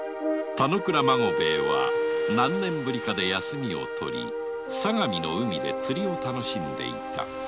田之倉孫兵衛は何年ぶりかで休みをとり相模の海で釣りを楽しんでいた。